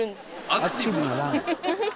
「アクティブなラン？」